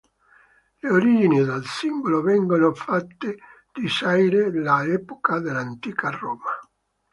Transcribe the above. Le origini del simbolo vengono fatte risalire all'epoca dell'antica Roma.